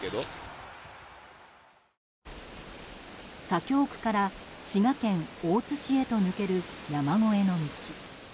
左京区から滋賀県大津市へと抜ける山越えの道。